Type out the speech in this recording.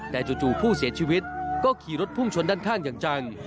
แต่จู่ผู้เสียชีวิตก็ขี่รถพุ่งชนด้านข้างอย่างจัง